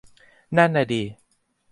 นั่นน่ะดิ